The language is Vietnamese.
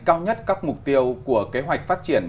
cao nhất các mục tiêu của kế hoạch phát triển